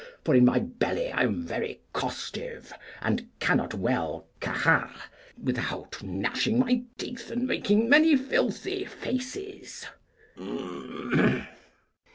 For in my belly I am very costive, and cannot well cagar without gnashing my teeth and making many filthy faces.